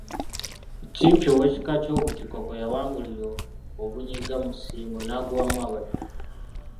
Kimpi ow'ekika ky'Obutiko kwe yawangulira Obunyiga mu Ssingo n'agobamu Abanyoro.